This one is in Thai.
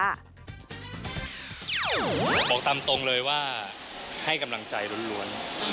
บอกตามตรงเลยว่าให้กำลังใจล้วน